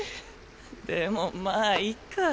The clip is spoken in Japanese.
でもまあいっか。